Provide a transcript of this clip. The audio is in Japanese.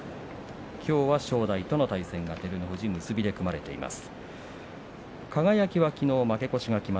きょうは正代との対戦が結びで組まれています。